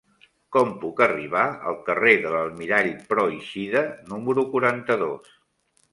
Com puc arribar al carrer de l'Almirall Pròixida número quaranta-dos?